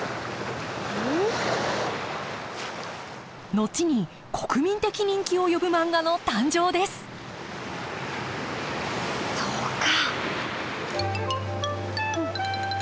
後に国民的人気を呼ぶ漫画の誕生ですそうか。